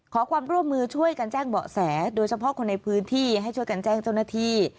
ขอความร่วมมือช่วยกันแจ้งเบาะแสโดยเฉพาะคนในพื้นที่ให้ช่วยกันแจ้งเจ้าหน้าที่